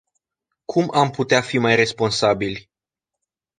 Cum am putea fi mai responsabili?